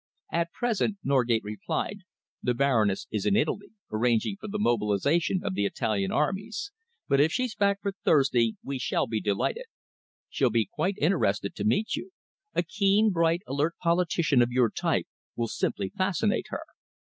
"At present," Norgate replied, "the Baroness is in Italy, arranging for the mobilisation of the Italian armies, but if she's back for Thursday, we shall be delighted. She'll be quite interested to meet you. A keen, bright, alert politician of your type will simply fascinate her."